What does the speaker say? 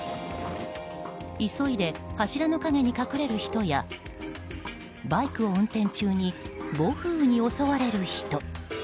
急いで柱の陰に隠れる人やバイクを運転中に暴風雨に襲われる人。